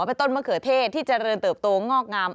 เป็นต้นมะเขือเทศที่เจริญเติบโตงอกงาม